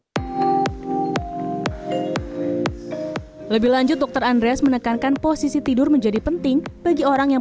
hai lebih lanjut dokter andri just menekankan posisi tidur menjadi penting bagi orang yang